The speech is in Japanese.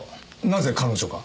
なぜ彼女が？